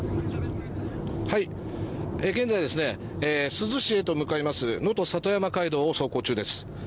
現在珠洲市へと向かいますのと里山街道を走行中です。